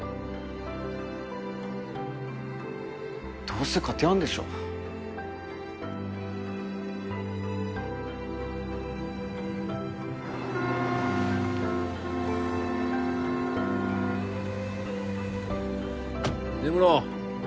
どうせ勝てやんでしょ根室